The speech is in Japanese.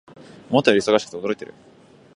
思ったより忙しくて驚いている